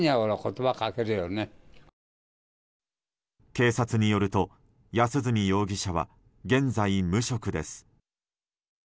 警察によると安栖容疑者は現在、無職です。